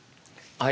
はい。